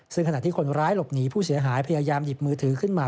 ซึ่งขณะที่คนร้ายหลบหนีผู้เสียหายพยายามหยิบมือถือขึ้นมา